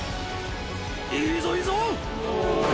いいぞ、いいぞ！